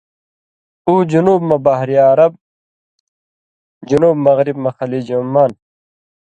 اُو جُنوب مہ بحریہ عرب ، جُنوب مغرب مہ خلیج عمان ،